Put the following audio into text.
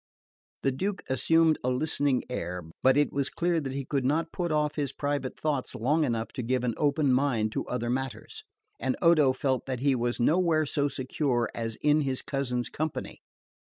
The Duke assumed a listening air, but it was clear that he could not put off his private thoughts long enough to give an open mind to other matters; and Odo felt that he was nowhere so secure as in his cousin's company.